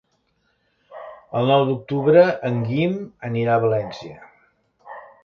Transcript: El nou d'octubre en Guim anirà a València.